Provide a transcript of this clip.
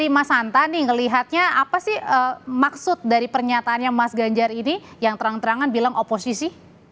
mas hanta nih ngelihatnya apa sih maksud dari pernyataannya mas ganjar ini yang terang terangan bilang oposisi